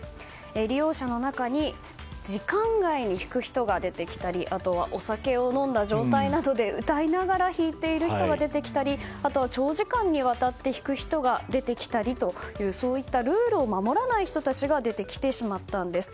利用者の中に時間外に弾く人が出てきたりお酒を飲んだ状態などで歌いながら弾いている人が出てきたり長時間にわたって弾く人が出てきたりとそういったルールを守らない人たちが出てきてしまったんです。